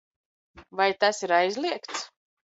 Vai tas ir aizliegts?